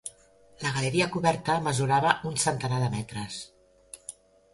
La galeria coberta mesurava un centenar de metres.